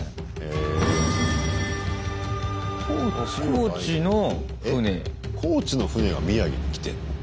えっ高知の船が宮城に来てんの？